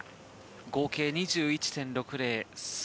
合計２１．６０３